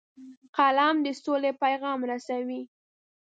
قلم د سولې پیغام رسوي